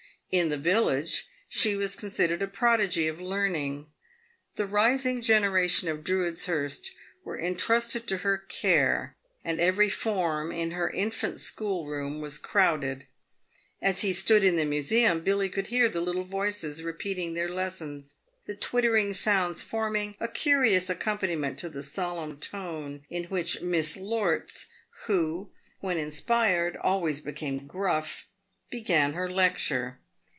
In the village she was considered a prodigy of learning. The rising generation of Drudeshurst were entrusted to her 282 PAYED WITH GOLD. care, and every form in her infant schoolroom was crowded. As he stood in the museum, Billy could hear the little voices repeating their lessons, the twittering sounds forming a curious accompaniment to the solemn tone in which Miss Lorts — who, when inspired, always became gruff — began her lecture.